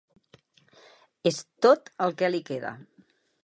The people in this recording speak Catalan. És tot el que li queda.